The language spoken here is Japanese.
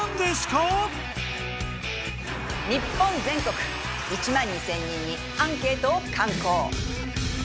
日本全国１万２０００人にアンケートを敢行